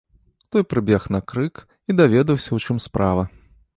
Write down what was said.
Той прыбег на крык і даведаўся, у чым справа.